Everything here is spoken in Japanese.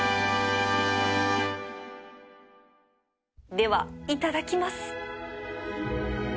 ではいただきます